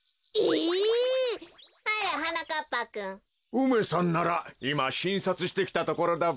梅さんならいましんさつしてきたところだべ。